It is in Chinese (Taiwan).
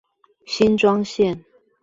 新莊線